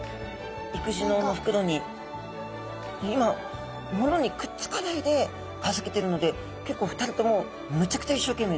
育児のうのふくろに今ものにくっつかないで預けてるので結構２人ともむちゃくちゃいっしょうけんめいです。